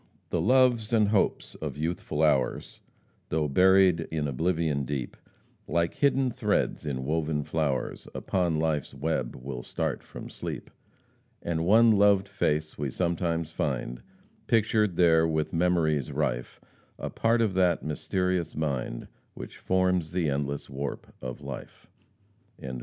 "The loves and hopes of youthful hours, Though buried in oblivion deep, Like hidden threads in woven flowers, Upon life's web will start from sleep. And one loved face we sometimes find Pictured there with memories rife A part of that mysterious mind Which forms the endless warp of life."